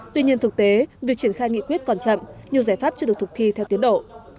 tuy nhiên thực tế việc triển khai nghị quyết còn chậm nhiều giải pháp chưa được thực thi theo tiến độ